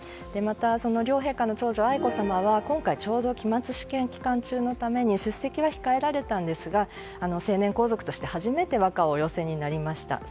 また、両陛下の長女・愛子さまは今回ちょうど期末試験期間中のために出席は控えられたんですが成年皇族として初めて和歌をお寄せになりました。